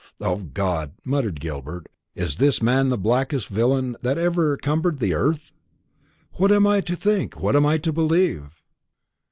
"O God!" muttered Gilbert, "is this man the blackest villain that ever cumbered the earth? What am I to think, what am I to believe?"